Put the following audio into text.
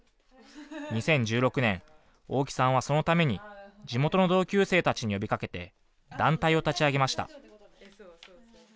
２０１６年、大木さんはそのために地元の同級生たちに呼びかけて団体を立ち上げました。